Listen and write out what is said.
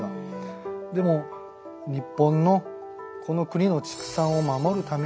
でも日本のこの国の畜産を守るために